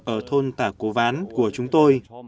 ở thôn tả cổ ván của chúng tôi